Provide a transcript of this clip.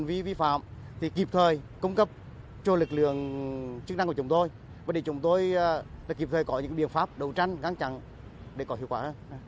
vì vi phạm thì kịp thời cung cấp cho lực lượng chức năng của chúng tôi và để chúng tôi kịp thời có những biện pháp đấu tranh ngăn chặn để có hiệu quả